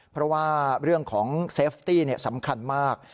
เพราะว่าเรื่องของเซฟตี้สำคัญมาก